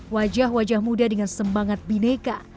wajah wajah muda dengan semangat bineka